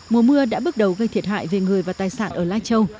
mùa mưa đã bước đầu gây thiệt hại về người và tài sản ở lai châu